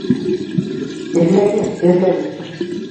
Эҙләгеҙ, эҙләгеҙ!..